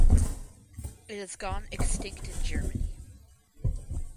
It has gone extinct in Germany.